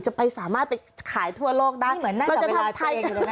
จะไปสามารถไปขายทั่วโลกนะ